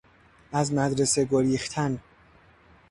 از مدرسه گریختن